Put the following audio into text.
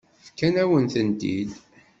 Fkant-awen-tent-id.